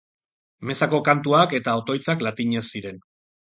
Mezako kantuak eta otoitzak latinez ziren.